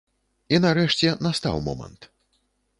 І нарэшце настаў момант.